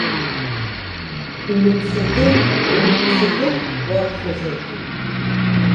Умыццакын, умыццыкын, уагхозаргьы.